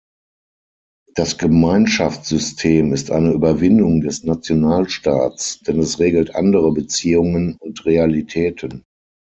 Das Gemeinschaftssystem ist eine Überwindung des Nationalstaats, denn es regelt andere Beziehungen und Realitäten.